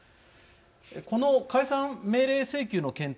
この解散命令請求の検討